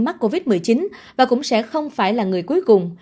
mắc covid một mươi chín và cũng sẽ không phải là người cuối cùng